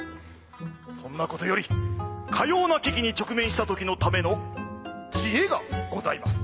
そんなことよりかような危機に直面した時のための知恵がございます。